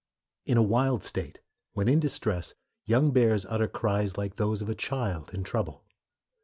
In a wild state, when in distress, young bears utter cries like those of a child in trouble.